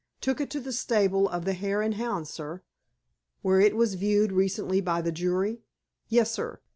"Took it to the stable of the Hare and Hounds, sir." "Where it was viewed recently by the jury?" "Yes, sir."